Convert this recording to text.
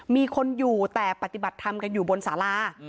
มีคนอยู่แต่ปฏิบัติทำอยู่บนสลา